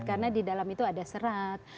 karena di dalam itu ada serat